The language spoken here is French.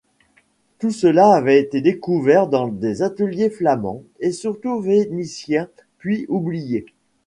Tout cela avait été découvert dans les ateliers flamands et surtout vénitiens puis oublié.